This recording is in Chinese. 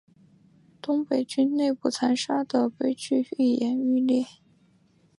东北军内部残杀的悲剧愈演愈烈。